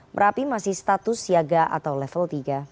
merapi masih status siaga atau level tiga